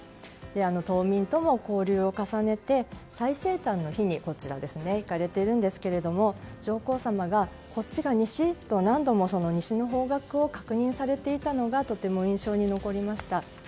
島民との交流を重ねて最西端の碑に行かれているんですけども上皇さまが、こっちが西？と何度も西の方角を確認されていたのがとても印象に残りました。